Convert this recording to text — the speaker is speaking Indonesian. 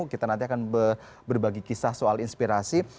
kita nanti akan berbagi kisah soal inspirasi